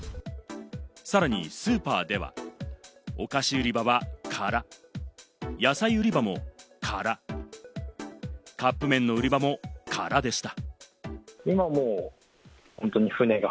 さらにスーパーでは、お菓子売り場は空、野菜売り場も空、カップ麺の売り場も空でした。